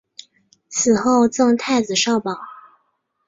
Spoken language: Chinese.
死后赠太子少保。